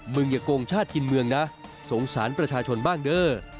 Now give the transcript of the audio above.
อย่าโกงชาติกินเมืองนะสงสารประชาชนบ้างเด้อ